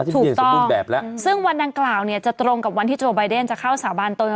ถูกต้องซึ่งวันดังกล่าวจะตรงกับวันที่โจร์บายเดนจะเข้าสาบานตน